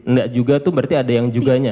enggak juga tuh berarti ada yang juganya